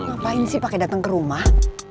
ngapain sih pakai datang ke rumah